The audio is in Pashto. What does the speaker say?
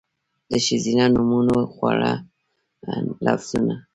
د ښځېنه نومونو، خواږه لفظونه